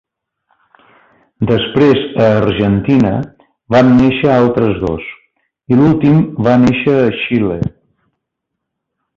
Després a Argentina, van néixer altres dos, i l'últim va néixer a Xile.